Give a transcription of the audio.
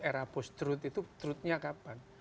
era post truth itu truthnya kapan